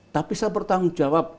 tapi saya bertanggung jawab